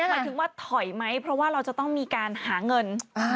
หมายถึงว่าถอยไหมเพราะว่าเราจะต้องมีการหาเงิน